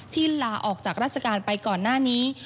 ที่ลาออกจากรัฐการณ์ไปก่อนหน้านี้